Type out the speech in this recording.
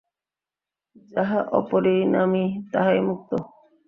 যাহা অপরিণামী, তাহাই মুক্ত।